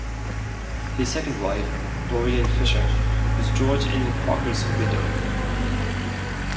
His second wife, Dorian Fisher, was George N. Crocker's widow.